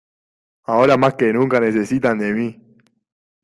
Ahora más que nunca necesitan de mí.